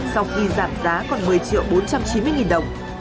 sau khi giảm giá còn một mươi triệu bốn trăm chín mươi đồng